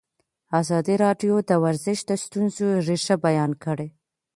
ازادي راډیو د ورزش د ستونزو رېښه بیان کړې.